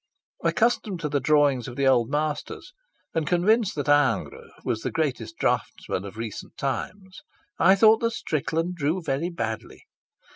Accustomed to the drawing of the old masters, and convinced that Ingres was the greatest draughtsman of recent times, I thought that Strickland drew very badly.